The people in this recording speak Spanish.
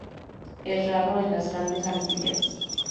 Es raro en las Grandes Antillas.